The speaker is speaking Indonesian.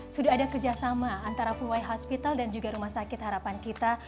sudah ada kerjasama antara puhai hospital dan juga rumah sakit harapan kita